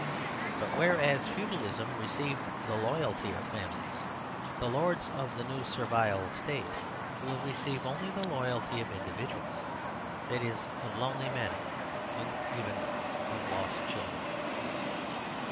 But whereas feudalism received the loyalty of families, the lords of the new servile state will receive only the loyalty of individuals; that is, of lonely men and even of lost chil dren.